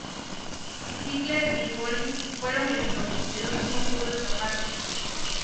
Hitler y Göring fueron heridos, el último pudo escaparse.